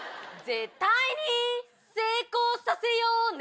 絶対に成功させようね